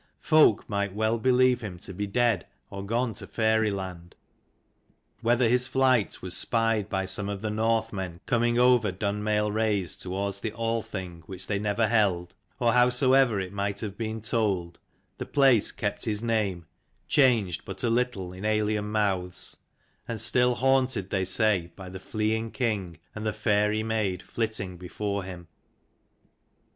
Folk might well believe him to be dead, or gone to fairy land. Whether his flight was spied by some 300 of the Northmen coming over Dunmail raise toward the Althing which they never held, or howsoever it might have been told, the place kept his name, changed but a little in alien mouths; and still haunted, they say, by the fleeing king and the fairy maid flitting before him.